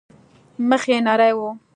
مخ يې نرى و.